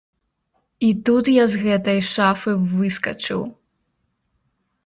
І тут я з гэтай шафы выскачыў!